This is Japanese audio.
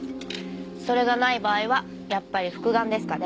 それがない場合はやっぱり復顔ですかね。